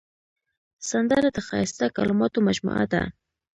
سندره د ښایسته کلماتو مجموعه ده